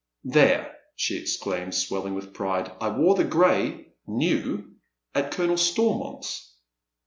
" There," she exclaims, swelling with pride, " I wore the gray —new — at Colonel Stonnont's."